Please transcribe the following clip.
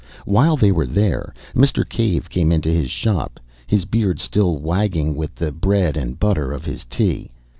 While they were there, Mr. Cave came into his shop, his beard still wagging with the bread and butter of his tea.